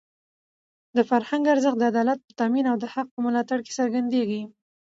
د فرهنګ ارزښت د عدالت په تامین او د حق په ملاتړ کې څرګندېږي.